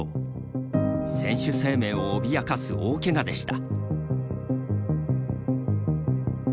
選手生命を脅かす大けがでした。